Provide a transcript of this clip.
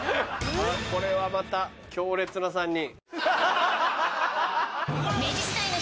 これはまた強烈な３人。